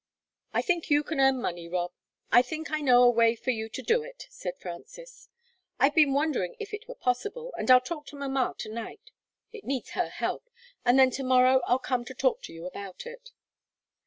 "I think you can earn money, Rob; I think I know a way for you to do it," said Frances. "I've been wondering if it were possible, and I'll talk to mamma to night it needs her help and then to morrow I'll come to talk to you about it."